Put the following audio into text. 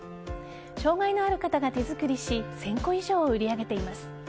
障害のある方が手作りし１０００個以上を売り上げています。